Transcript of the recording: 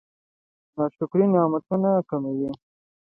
ناشکري نعمتونه کموي.